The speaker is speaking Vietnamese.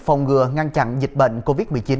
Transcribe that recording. phòng ngừa ngăn chặn dịch bệnh covid một mươi chín